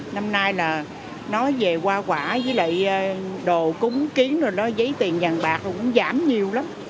năm nay là nói về hoa quả với lại đồ cúng kiến rồi đó giấy tiền vàng bạc cũng giảm nhiều lắm